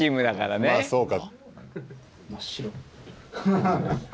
まあそうか。